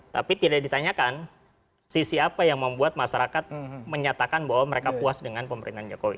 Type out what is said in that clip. tapi tidak ditanyakan sisi apa yang membuat masyarakat menyatakan bahwa mereka puas dengan pemerintahan jokowi